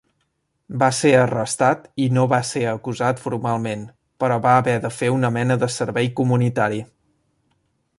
Va ser arrestat i no va ser acusat formalment, però va haver de fer una mena de servei comunitari.